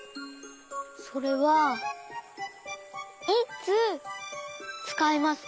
それはいつつかいますか？